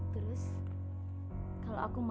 terus kalau aku mau